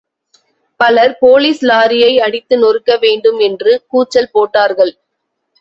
பலர் போலீஸ் லாரியை அடித்து நொறுக்க வேண்டும் என்று கூச்சல் போட்டார்கள்.